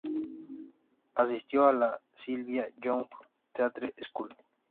Asistió a la Sylvia Young Theatre School.